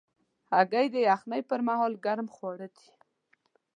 هګۍ د یخنۍ پر مهال ګرم خواړه دي.